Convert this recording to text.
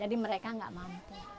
jadi mereka tidak mampu